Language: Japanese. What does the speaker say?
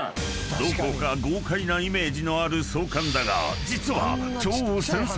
［どこか豪快なイメージのある操艦だが実は］